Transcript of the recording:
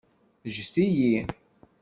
Ǧǧet-iyi!